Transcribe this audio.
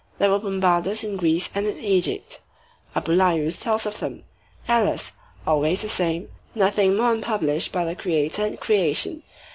there were Bombardas in Greece and in Egypt. Apuleius tells us of them. Alas! always the same, and nothing new; nothing more unpublished by the creator in creation!